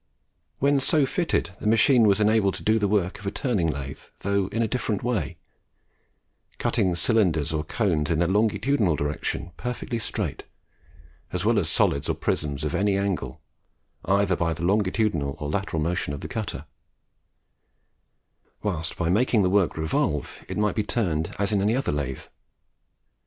When so fitted, the machine was enabled to do the work of a turning lathe, though in a different way, cutting cylinders or cones in their longitudinal direction perfectly straight, as well as solids or prisms of any angle, either by the longitudinal or lateral motion of the cutter; whilst by making the work revolve, it might be turned as in any other lathe.